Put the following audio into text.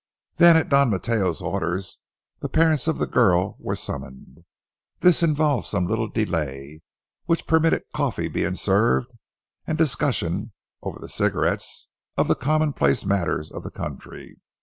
Then, at Don Mateo's orders, the parents of the girl were summoned. This involved some little delay, which permitted coffee being served, and discussion, over the cigarettes, of the commonplace matters of the country.